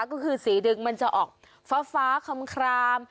ก็คือสีหนึ่งมันจะออกฟ้าคล้ำ